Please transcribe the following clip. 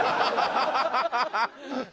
ハハハハ！